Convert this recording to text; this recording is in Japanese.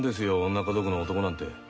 女家族の男なんて。